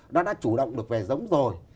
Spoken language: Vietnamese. nó đã chủ động được về giống rồi